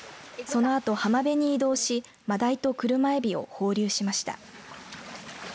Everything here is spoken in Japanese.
そのあと、浜辺に移動しマダイとクルマエビを放流しました。